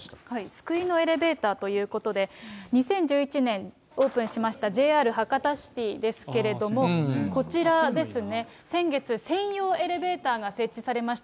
救いのエレベーターということで、２０１１年オープンしましたＪＲ博多シティですけど、こちらですね、先月、専用エレベーターが設置されました。